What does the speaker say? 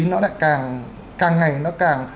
nó đã càng ngày nó càng